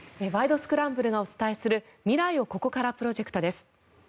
スクランブル」がお伝えする未来をここからプロジェクトです。